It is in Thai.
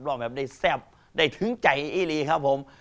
แบบได้แซ่บได้ถึงใจอีลีครับผม